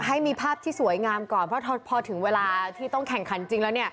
ให้มีภาพที่สวยงามก่อนเพราะพอถึงเวลาที่ต้องแข่งขันจริงแล้ว